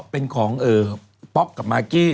เป็นของป๊อกกับมากกี้